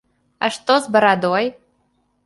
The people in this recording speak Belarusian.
А што з барадой?